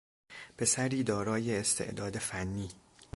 پسری دارای استعداد فنی